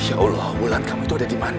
ya allah wulan kamu itu ada dimana